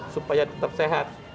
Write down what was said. supaya tetap sehat